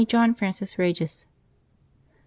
JOHN FRANCIS REGIS. [t.